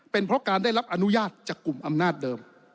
เป็นเพราะการได้รับอนุญาตจากกลุ่มอำนาจเดิม